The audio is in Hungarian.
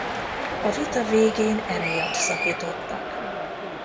A vita végén emiatt szakítottak.